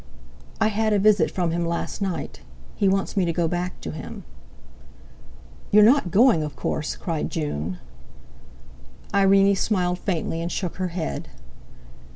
"I had a visit from him last night; he wants me to go back to him." "You're not going, of course?" cried June. Irene smiled faintly and shook her head.